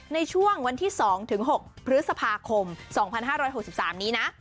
ในช่วงวันที่๒ถึง๖พฤษภาคม๒๕๖๓นี้นะ